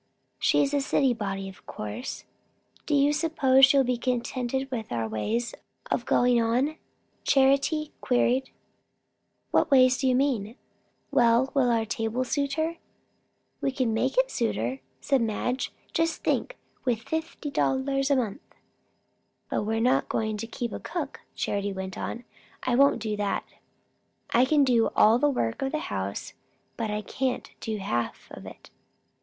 "She is a city body, of course. Do you suppose she will be contented with our ways of going on?" Charity queried. "What ways do you mean?" "Well will our table suit her?" "We can make it suit her," said Madge. "Just think with fifty dollars a month " "But we're not going to keep a cook," Charity went on. "I won't do that. I can do all the work of the house, but I can't do half of it.